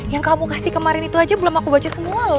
yang kamu kasih kemarin itu aja belum aku baca semua loh